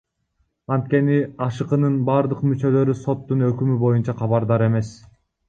Анткени АШКнын бардык мүчөлөрү соттун өкүмү боюнча кабардар эмес.